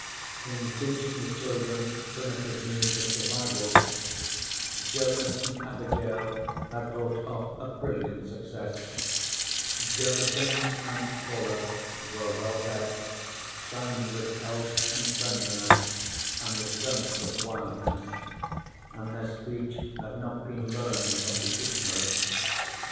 In teaching the children primitive means of survival, Jonas and Abigail had brought off a brilliant success: Jonason and Paula were well fed, shining with health and cleanliness and the strength of wildness, and their speech had not been learned from the ignorant.